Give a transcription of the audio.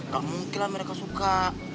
gak mungkin lah mereka suka